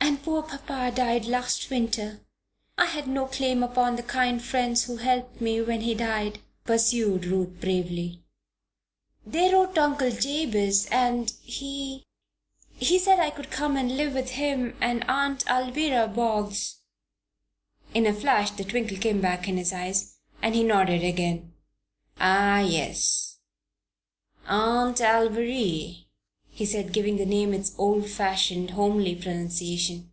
"And poor papa died last winter. I had no claim upon the kind friends who helped me when he died," pursued Ruth, bravely. "They wrote to Uncle Jabez and he he said I could come and live with him and Aunt Alvirah Boggs." In a flash the twinkle came back into his eyes, and he nodded again. "Ah, yes! Aunt Alviry," he said, giving the name its old fashioned, homely pronunciation.